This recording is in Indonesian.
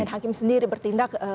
main hakim sendiri